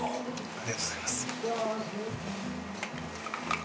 ありがとうございます。